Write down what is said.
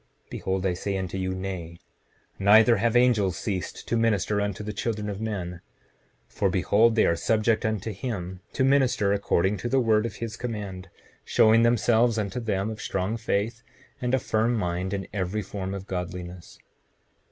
Behold I say unto you, Nay; neither have angels ceased to minister unto the children of men. 7:30 For behold, they are subject unto him, to minister according to the word of his command, showing themselves unto them of strong faith and a firm mind in every form of godliness.